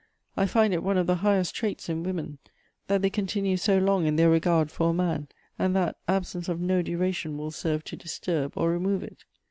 I find it one of the highest traits in women, that they continue so long in their regard for a man, and that absence of no duration will serve to disturb or remove it."